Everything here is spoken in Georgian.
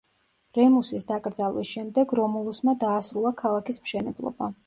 რემუსის დაკრძალვის შემდეგ რომულუსმა დაასრულა ქალაქის მშენებლობა.